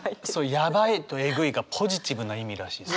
「ヤバい」と「エグい」がポジティブな意味らしいですね。